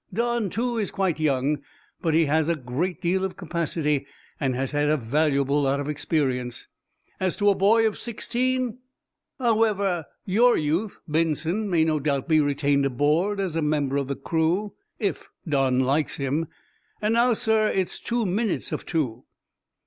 Don, too, is quite young, but he has a great deal of capacity and has had a valuable lot of experience. As to a boy of sixteen however, your youth, Benson, may no doubt be retained aboard as a member of the crew, if Don likes him. And now, sir, it's two minutes of two."